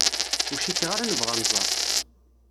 Ur cikkeɣ ara nebɣa ad nẓer.